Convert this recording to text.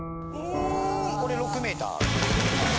これ６ｍ。